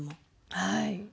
はい。